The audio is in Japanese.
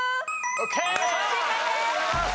正解です！